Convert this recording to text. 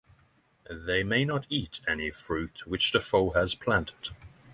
They may not eat any fruit which the foe has planted.